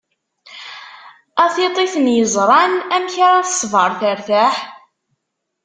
A tiṭ i ten-iẓran, amek ara tesber tertaḥ?